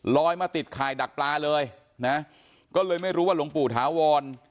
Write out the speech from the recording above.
มาติดข่ายดักปลาเลยนะก็เลยไม่รู้ว่าหลวงปู่ถาวร